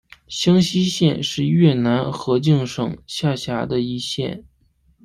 香溪县是越南河静省下辖的一县。